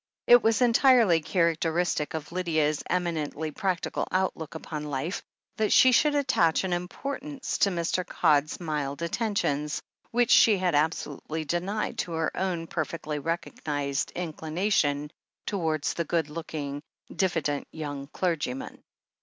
It was entirely characteristic of Lydia's eminently practical outlook upon life that she should attach an importance to Mr. Codd's mild attentions which she had absolutely denied to her own perfectly recognized inclination towards the good looking, diffident young clergyman.